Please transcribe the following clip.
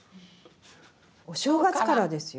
お正月からですよ。